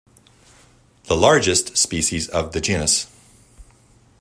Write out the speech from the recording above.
The largest species of the genus.